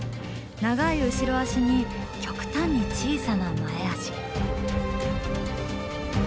長い後ろ足に極端に小さな前足。